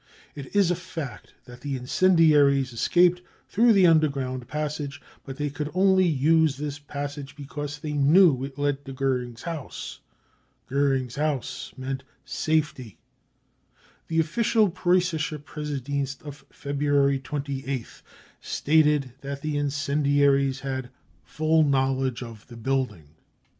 It is a fact that the incendiaries escaped through the underground passage, but they could only use this passage because they knew it led to Goering's house. Goering's house meant safety. The official Preussische Pmsediensl of February 28th stated that the incendiaries had full knowledge of the building.